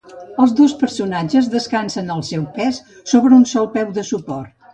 Els dos personatges descansen el seu pes sobre un sol peu de suport.